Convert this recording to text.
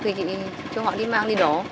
thì chị cho họ đi mang đi đổ